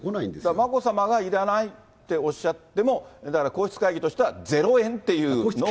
眞子さまがいらないっておっしゃっても、だから皇室会議としてはゼロ円というのを。